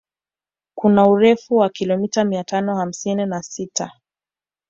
Kuna urefu wa kilomita mia tano hamsini na sita